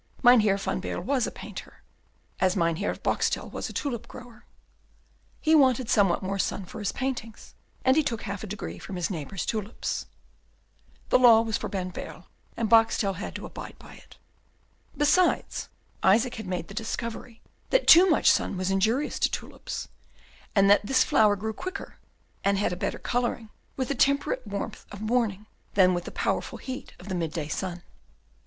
Mynheer van Baerle was a painter, as Mynheer Boxtel was a tulip grower; he wanted somewhat more sun for his paintings, and he took half a degree from his neighbour's tulips. The law was for Van Baerle, and Boxtel had to abide by it. Besides, Isaac had made the discovery that too much sun was injurious to tulips, and that this flower grew quicker, and had a better colouring, with the temperate warmth of morning, than with the powerful heat of the midday sun.